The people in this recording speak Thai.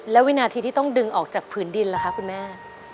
แล้ววินาทีที่ต้องดึงออกจากผืนดินล่ะคะคุณแม่